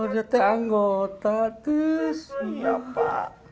jatuh anggota tuh siapa